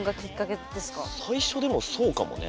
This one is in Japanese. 最初でもそうかもね。